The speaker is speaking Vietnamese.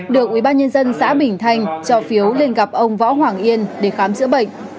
được ubnd xã bỉnh thành cho phiếu lên gặp ông võ hoàng yên để khám chữa bệnh